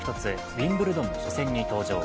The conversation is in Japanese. ウィンブルドンの初戦に登場。